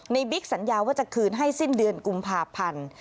บิ๊กสัญญาว่าจะคืนให้สิ้นเดือนกุมภาพันธ์